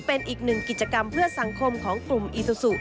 เป็นอีกหนึ่งกิจกรรมเพื่อสังคมของกลุ่มอีซูซู